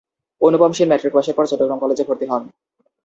অনুপম Sen matric পাসের পর চট্টগ্রাম কলেজে ভর্তি হন।